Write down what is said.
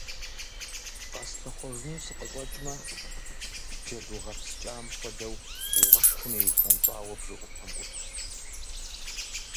Къэслъыхъуэжыну сыкъыщӀэкӀмэ – джэду гъэпскӀам хуэдэу уэшхым иуфэнщӀауэ бжэӀупэм Ӏутщ.